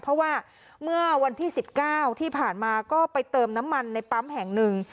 เพราะว่าเมื่อวันที่๑๙ที่ผ่านมาก็ไปเติมน้ำมันในปั๊มแห่งหนึ่ง